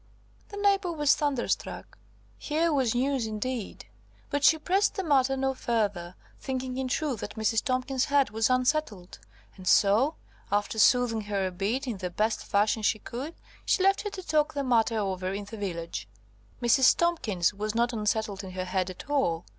The neighbour was thunderstruck. Here was news indeed. But she pressed the matter no further, thinking in truth that Mrs. Tomkins's head was unsettled, and so, after soothing her a bit in the best fashion she could, she left her to talk the matter over in the village. Mrs. Tomkins was not unsettled in her head at all.